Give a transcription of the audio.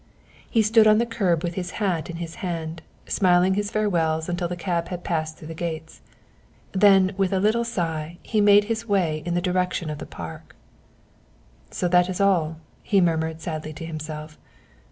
He stood on the curb with his hat in his hand, smiling his farewells until the cab had passed through the gates. Then he gave a little sigh and made his way in the direction of the Park. "So that is all," he murmured sadly to himself.